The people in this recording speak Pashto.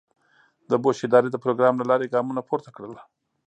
د بوش ادارې د پروګرام له لارې ګامونه پورته کړل.